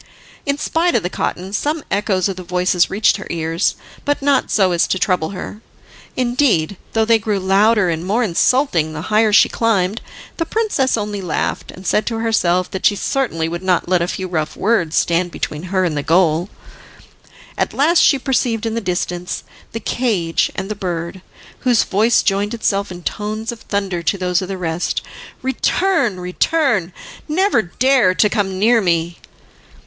In spite of the cotton, some echoes of the voices reached her ears, but not so as to trouble her. Indeed, though they grew louder and more insulting the higher she climbed, the princess only laughed, and said to herself that she certainly would not let a few rough words stand between her and the goal. At last she perceived in the distance the cage and the bird, whose voice joined itself in tones of thunder to those of the rest: "Return, return! never dare to come near me."